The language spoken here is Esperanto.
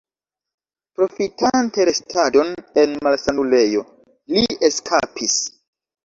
Profitante restadon en malsanulejo, li eskapis.